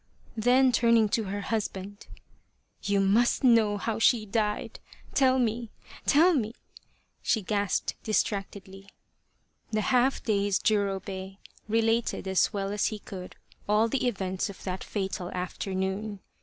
Then turning to her husband :" You must know how she died. Tell me ! Tell me !" she gasped distractedly. The half dazed Jurobei related as well as he could all the events of that fatal afternoon.